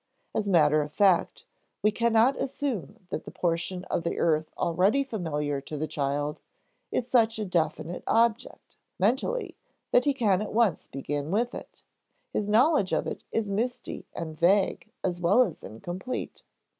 As matter of fact, we cannot assume that the portion of the earth already familiar to the child is such a definite object, mentally, that he can at once begin with it; his knowledge of it is misty and vague as well as incomplete.